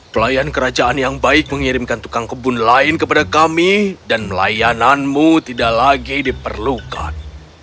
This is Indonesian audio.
pelayan kerajaan yang baik mengirimkan tukang kebun lain kepada kami dan layananmu tidak lagi diperlukan